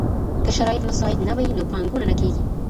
که شرايط مساعد نه وي نو پانګونه نه کيږي.